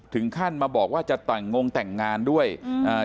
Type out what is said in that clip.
ถึงขั้นมาบอกว่าจะลองงงแต่งงานด้วยชอบ